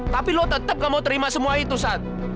tapi lo tetep gak mau terima semua itu sat